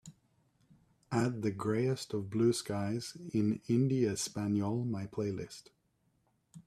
add The Greyest of Blue Skies in Indie Español my playlist